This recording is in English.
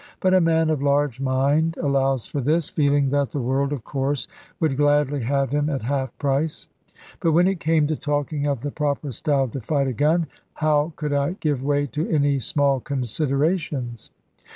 But a man of large mind allows for this, feeling that the world, of course, would gladly have him at half price. But when it came to talking of the proper style to fight a gun, how could I give way to any small considerations?